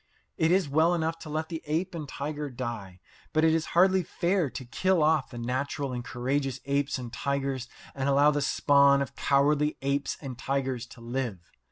It is well enough to let the ape and tiger die, but it is hardly fair to kill off the natural and courageous apes and tigers and allow the spawn of cowardly apes and tigers to live.